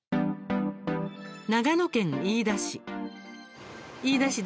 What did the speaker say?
長野県飯田市。